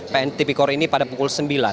pntp kor ini pada pukul sembilan